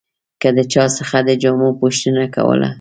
که د چا څخه د جامو پوښتنه کوله.